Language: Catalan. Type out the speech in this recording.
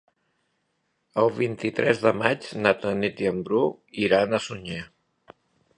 El vint-i-tres de maig na Tanit i en Bru iran a Sunyer.